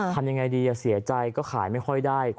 ทำยังไงดีเสียใจก็ขายไม่ค่อยได้